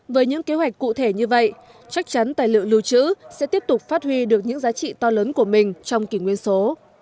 với những kế hoạch cụ thể như vậy chắc chắn tài liệu lưu trữ sẽ tiếp tục phát huy được những giá trị to lớn của mình trong kỷ nguyên số